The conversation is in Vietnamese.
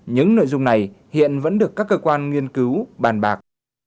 những nội dung này hiện vẫn được các cơ quan nghiên cứu bàn bạc